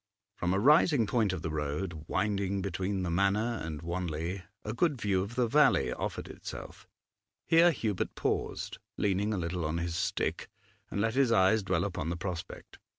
From a rising point of the road, winding between the Manor and Wanley, a good view of the valley offered itself; here Hubert paused, leaning a little on his stick, and let his eyes dwell upon the prospect.